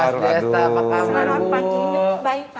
selamat pagi baik pak